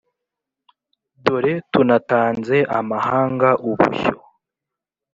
dore tunatanze amahanga ubushyo